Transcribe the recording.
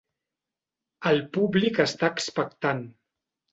El públic està expectant.